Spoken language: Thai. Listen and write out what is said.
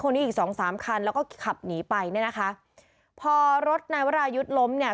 ตอนนี้อีกสองสามคันแล้วก็ขับหนีไปเนี่ยนะคะพอรถในเวลายุดล้มเนี่ย